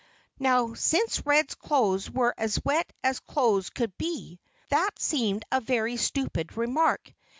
Now, since Red's clothes were as wet as clothes could be, that seemed a very stupid remark.